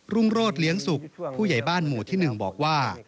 รุ่งโรธเลี้ยงสุกผู้ใหญ่บ้านหมู่ที่๑บอกว่า